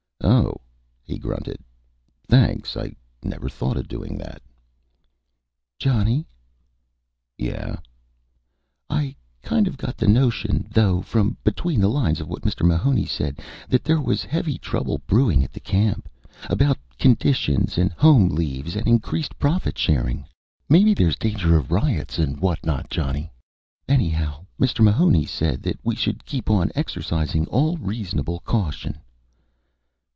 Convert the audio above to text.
"Oh," he grunted. "Thanks. I never thought of doing that." "Johnny." "Yeah?" "I kind of got the notion, though from between the lines of what Mr. Mahoney said that there was heavy trouble brewing at the camp. About conditions, and home leaves, and increased profit sharing. Maybe there's danger of riots and what not, Johnny. Anyhow, Mr. Mahoney said that we should 'keep on exercising all reasonable caution.'"